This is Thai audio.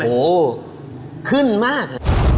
โอ้โหขึ้นมาก